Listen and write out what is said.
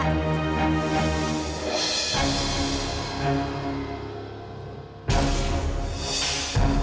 melayu melayu selamat pak